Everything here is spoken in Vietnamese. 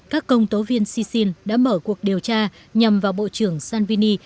các công tố viên sisin đã mở cuộc điều tra nhằm vào bộ trưởng salvini